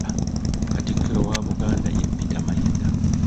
Katikkiro wa Buganda ye Peter Mayiga.